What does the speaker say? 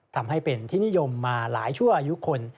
ทำให้เป็นที่นิยมมาหลายชั่วอายุคน